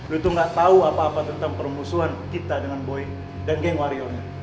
lu tuh gak tahu apa apa tentang perusuhan kita dengan boy dan geng warionya